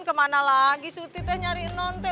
kemana lagi suti teh nyariin non teh